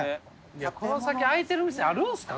この先開いてる店あるんですか？